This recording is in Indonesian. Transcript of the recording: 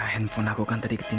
handphone aku kan tadi ketit bukan